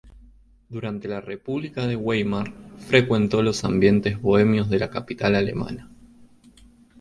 Durante la República de Weimar frecuentó los ambientes bohemios de la capital alemana.